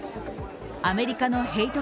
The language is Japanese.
アメリカのヘイト